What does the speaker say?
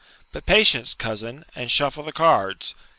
"But patience, cousin, and shuffle the cards!"